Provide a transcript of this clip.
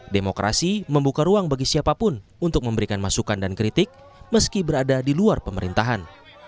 demokrasi membuka ruang bagi siapapun untuk memberikan masukan dan kritik meski berada di luar pemerintahan